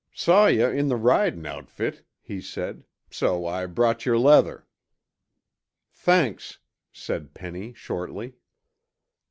"Saw yuh in the ridin' outfit," he said, "so I brought your leather." "Thanks," said Penny shortly.